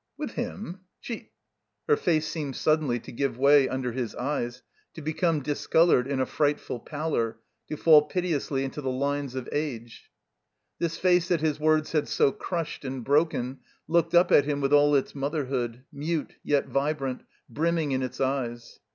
"With 'im—f She—'* Her face seemed suddenly to give way under his eyes, to become discolored in a frightful pallor, to fall piteously into the lines of age. This face that his words had so crushed and broken looked up at him with all its motherhood, mute yet vibrant, brimming in its eyes.